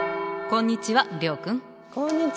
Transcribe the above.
こんにちは。